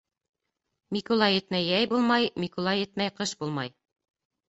Микула етмәй йәй булмай, Микула етмәй ҡыш булмай.